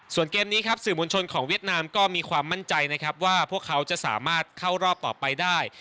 ส่วนเกมนี้ครับสื่อมวลชนของเวียดนามก็มีความมั่นใจนะครับว่าพวกเขาจะสามารถเข้ารอบต่อไปได้